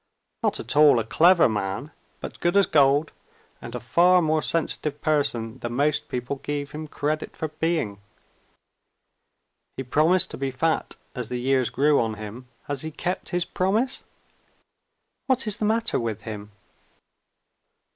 Not at all a clever man but good as gold, and a far more sensitive person than most people gave him credit for being. He promised to be fat as years grew on him. Has he kept his promise? What is the matter with him?"